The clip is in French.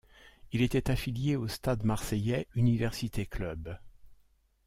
Il était affilié au Stade Marseillais Université Club.